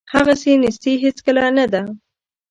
هغسې نیستي هیڅکله نه ده.